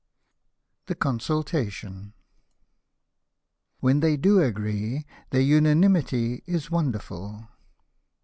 THE CONSULTATION " When they do agree, their unanimity is wonderful."